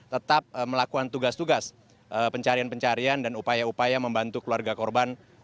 tetap melakukan tugas tugas pencarian pencarian dan upaya upaya membantu keluarga korban